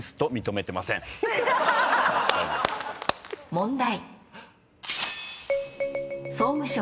問題。